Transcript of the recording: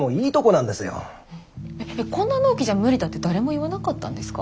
こんな納期じゃ無理だって誰も言わなかったんですか？